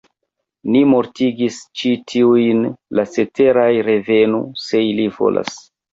Ni mortigis ĉi tiujn; la ceteraj revenu, se ili volas!